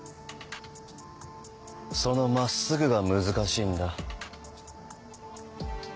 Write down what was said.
その「真っすぐ」が難しいんだ。